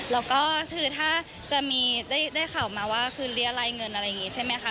แล้วก็คือถ้าจะมีได้ข่าวมาว่าคือเรียรายเงินอะไรอย่างนี้ใช่ไหมคะ